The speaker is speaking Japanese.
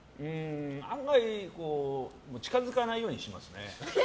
あんまり近づかないようにしますね。